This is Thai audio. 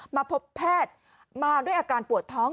มาพบแพทย์มาด้วยอาการปวดท้อง